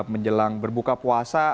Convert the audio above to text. menjelang berbuka puasa